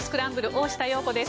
大下容子です。